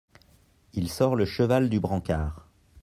Il sort le cheval du brancard.